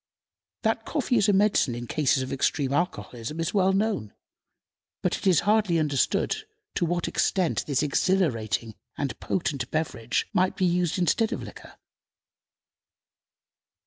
That coffee is a medicine in cases of extreme alcoholism is well known, but it is hardly understood to what extent this exhilarating and potent beverage might be used in place of liquor.